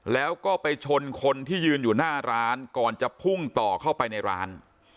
แล้วก็ไปชนคนที่ยืนอยู่หน้าร้านก่อนจะพุ่งต่อเข้าไปในร้าน